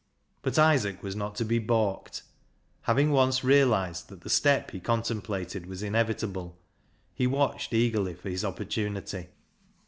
But Isaac was not to be baulked. Having once realised that the step he contemplated was inevitable, he watched eagerly for his oppor tunity.